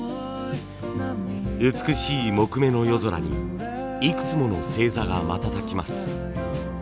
美しい木目の夜空にいくつもの星座が瞬きます。